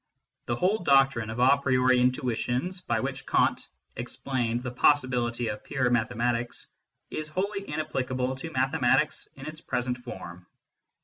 The whole doctrine of a priori intuitions, by which Kant explained the possibility of pure mathematics, is wholly inapplicable to mathematics in its present form.